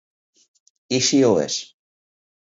I si ho és?